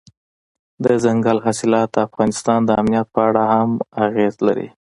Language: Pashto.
دځنګل حاصلات د افغانستان د امنیت په اړه هم اغېز لري.